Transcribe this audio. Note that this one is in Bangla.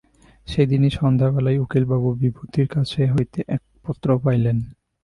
সেইদিনই সন্ধ্যাবেলায় উকিলবাবু বিভূতির কাছ হইতে এক পত্র পাইলেন।